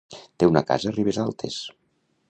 Té una casa a Ribesalbes.